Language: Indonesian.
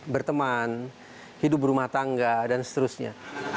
berteman hidup berumah tangga dan seterusnya